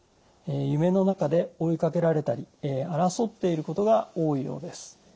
夢の中で追いかけられたり争っていることが多いようです。